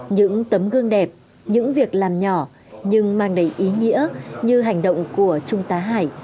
những tấm gương đẹp những việc làm nhỏ nhưng mang đầy ý nghĩa như hành động của trung tá hải